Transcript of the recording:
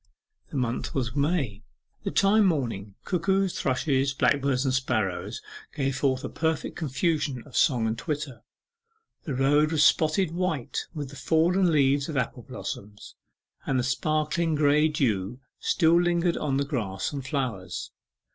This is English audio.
The month was May the time, morning. Cuckoos, thrushes, blackbirds, and sparrows gave forth a perfect confusion of song and twitter. The road was spotted white with the fallen leaves of apple blossoms, and the sparkling grey dew still lingered on the grass and flowers.